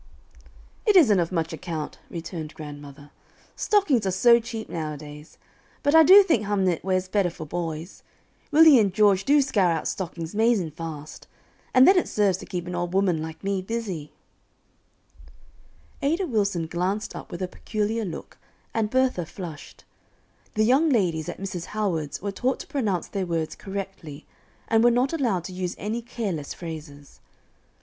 "It isn't of much account," returned grandmother. "Stockings are so cheap nowadays; but I do think hum knit wears better for boys. Willie and George do scour out stockings 'mazin' fast. And then it serves to keep an old woman like me busy." [Illustration: "It looks quite like old times to see anyone knitting."] Ada Wilson glanced up with a peculiar look, and Bertha flushed. The young ladies at Mrs. Howard's were taught to pronounce their words correctly, and were not allowed to use any careless phrases.